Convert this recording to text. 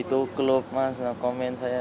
itu klub mas komen saya